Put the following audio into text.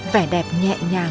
vẻ đẹp nhẹ nhàng